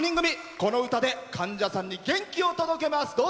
この歌で患者さんに元気を届けます。